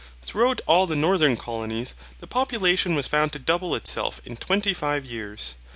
Throughout all the northern colonies, the population was found to double itself in twenty five years.